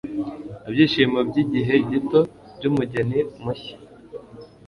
ibyishimo byigihe gito byumugeni mushya